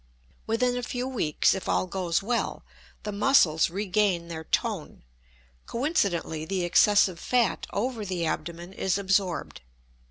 Within a few weeks, if all goes well, the muscles regain their "tone." Coincidently, the excessive fat over the abdomen is absorbed.